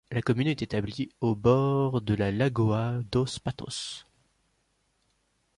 La commune est établie au bord de la Lagoa dos Patos.